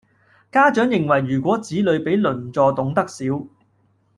家長認為如果子女比鄰座懂得少